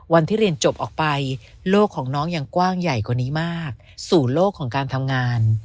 วันที่เรียนจบออกไปโลกของน้องยังกว้างใหญ่กว่านี้มากสู่โลกของการทำงาน